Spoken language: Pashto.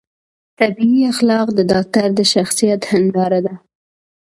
طبي اخلاق د ډاکتر د شخصیت هنداره ده